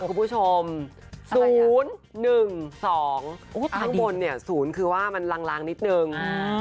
คุณผู้ชม๐๑๒ทั้งบน๐คือว่ามันลางนิดหนึ่ง